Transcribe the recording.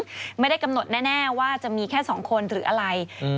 ว่าลูกผู้หญิงไม่ได้กำหนดแน่ว่าจะมีแค่๒คนหรืออะไร